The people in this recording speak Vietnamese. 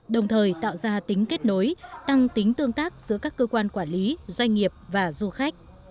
đồng thời tạo ra tính kết nối tăng tính tương tác giữa các cơ quan quản lý doanh nghiệp và du khách